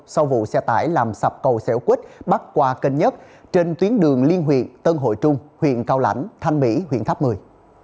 sau vụ xe tải làm sạp cầu xẻo quýt bắt qua kênh nhất trên tuyến đường liên huyện tân hội trung huyện cao lãnh thanh mỹ huyện tháp mười